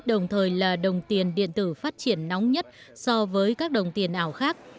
đồng thời là đồng tiền điện tử phát triển nóng nhất so với các đồng tiền ảo khác